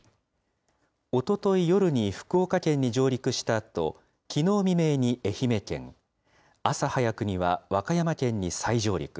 おととい夜に福岡県に上陸したあと、きのう未明に愛媛県、朝早くには和歌山県に再上陸。